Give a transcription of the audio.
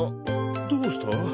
どうした？